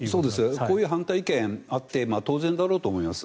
こういう反対意見があって当然だろうと思います。